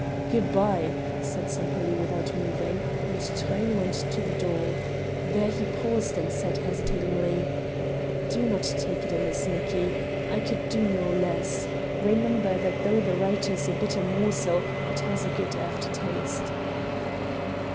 "Good bye," said Sempaly without moving, and Truyn went to the door; there he paused and said hesitatingly: "Do not take it amiss, Nicki I could do no less. Remember that though the right is a bitter morsel, it has a good after taste."